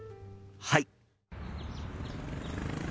はい！